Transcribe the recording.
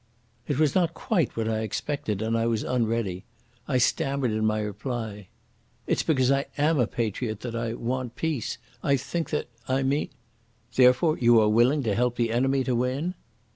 It was not quite what I expected and I was unready. I stammered in my reply. "It's because I am a patriot that I want peace. I think that.... I mean...." "Therefore you are willing to help the enemy to win?"